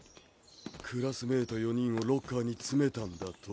クラスメイト４人をロッカーに詰めたんだと。